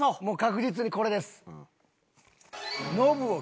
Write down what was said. もう確実にこれです。